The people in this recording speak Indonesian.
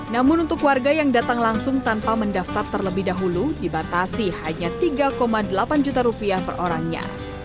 namun untuk warga yang datang langsung tanpa mendaftar terlebih dahulu dibatasi hanya tiga delapan juta rupiah per orangnya